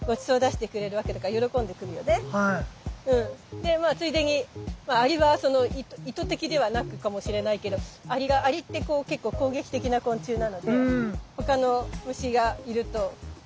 でまあついでにアリは意図的ではなくかもしれないけどアリって結構攻撃的な昆虫なので他の虫がいると追い払ってくれる。